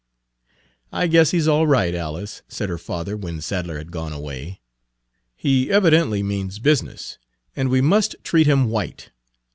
"I guess he 's all right, Alice," said her father when Sadler had gone away. "He evidently means business, and we must treat him white.